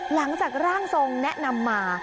หลังจากร่างทรงแนะนำมา